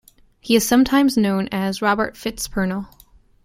He is sometimes known as Robert FitzPernel.